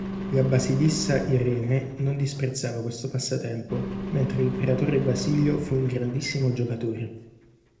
La basilissa Irene non disprezzava questo passatempo, mentre l'imperatore Basilio fu un grandissimo giocatore.